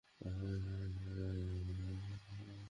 সবকিছুই আমাদের ভাগ্য।